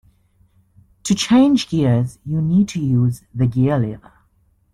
To change gears you need to use the gear-lever